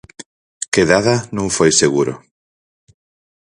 Quedada non foi seguro.